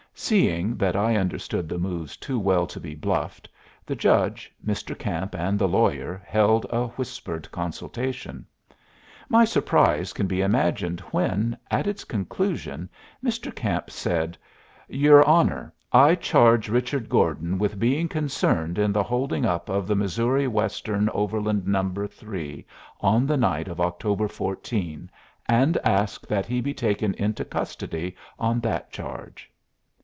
Seeing that I understood the moves too well to be bluffed, the judge, Mr. Camp, and the lawyer held a whispered consultation. My surprise can be imagined when, at its conclusion, Mr. Camp said, "Your honor, I charge Richard Gordon with being concerned in the holding up of the Missouri Western Overland No. 3 on the night of October 14, and ask that he be taken into custody on that charge."